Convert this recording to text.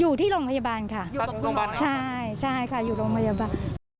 อ๋ออยู่ที่โรงพยาบาลค่ะใช่ค่ะอยู่โรงพยาบาล